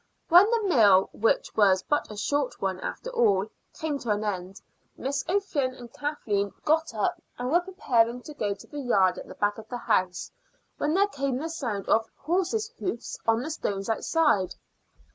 When the meal, which was but a short one after all, came to an end, Miss O'Flynn and Kathleen got up and were preparing to go to the yard at the back of the house, when there came the sound of horse's hoofs on the stones outside.